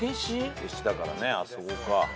こけしだからねあそこか。